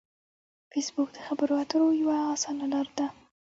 فېسبوک د خبرو اترو یوه اسانه لار ده